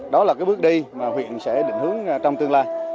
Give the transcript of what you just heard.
đó là cái bước đi mà huyện sẽ định hướng trong tương lai